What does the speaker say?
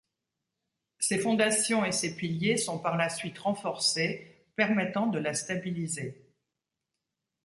Ses fondations et ses piliers sont par la suite renforcés, permettant de la stabiliser.